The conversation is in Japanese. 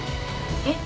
えっ？